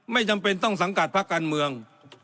จำเป็นต้องสังกัดพักการเมือง